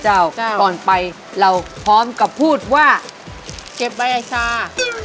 ก่อนไปเราพร้อมกับพูดว่าเก็บใบไอซา